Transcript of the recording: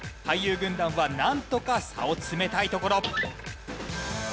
俳優軍団はなんとか差を詰めたいところ。